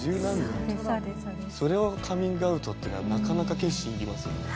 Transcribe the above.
それをカミングアウトっていうのはなかなか決心いりますよね。